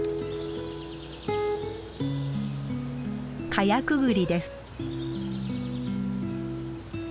カヤクグリです。